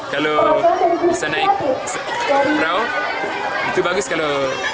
kalau bisa naik perahu itu bagus kalau